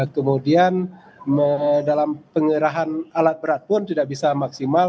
kemudian dalam pengerahan alat berat pun tidak bisa maksimal